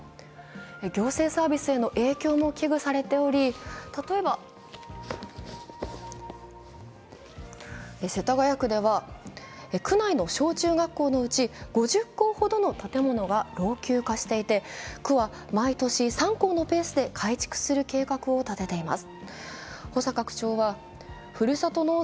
行政サービスへの影響も危惧されており、例えば世田谷区では区内の小中学校のうち５０校ほどの建物が建物が老朽化していて、区は毎年３校のペースで改築する計画を立てています。